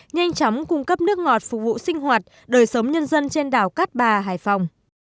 nhanh chóng cung cấp nước ngọt phục vụ sinh hoạt đời sống nhân dân trên đảo cát bà hải phòng